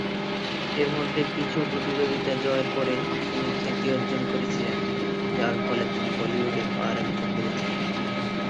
এর মধ্যে কিছু প্রতিযোগিতা জয়ের পরে তিনি খ্যাতি অর্জন করেছিলেন, যার ফলে তিনি বলিউডে পা রাখতে পেরেছিলেন।